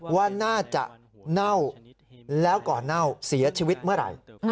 ว่าน่าจะเน่าแล้วก่อนเน่าเสียชีวิตเมื่อไหร่